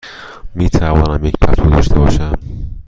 می توانم یک پتو داشته باشم؟